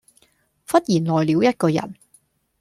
忽然來了一個人；